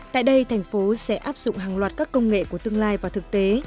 tại đây thành phố sẽ áp dụng hàng loạt các công nghệ của tương lai và thực tế